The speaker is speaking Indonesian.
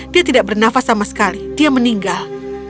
dia tidak bernafas sama sekali dia meninggal